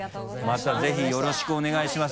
またぜひよろしくお願いします